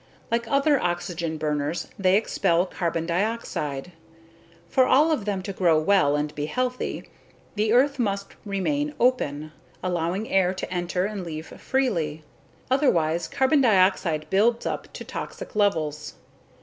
Like other oxygen burners, they expel carbon dioxide. For all of them to grow well and be healthy, the earth must remain open, allowing air to enter and leave freely. Otherwise, carbon dioxide builds up to toxic levels.